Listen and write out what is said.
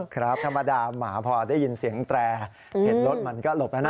ครับธรรมดาหมาพอได้ยินเสียงแตรเห็นรถมันก็หลบแล้วนะ